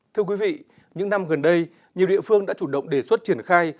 thưa quý vị những năm gần đây nhiều địa phương đã chủ động đề xuất triển khai